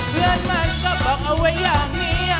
เพื่อนมันก็บอกเอาไว้อย่างนี้